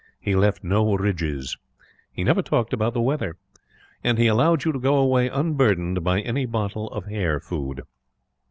He left no ridges. He never talked about the weather. And he allowed you to go away unburdened by any bottle of hair food.